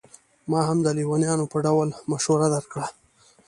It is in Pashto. ما هم د لېونیانو په ډول مشوره درکړه.